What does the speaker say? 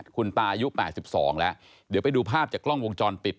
คุณตาอายุ๘๒แล้วเดี๋ยวไปดูภาพจากกล้องวงจรปิด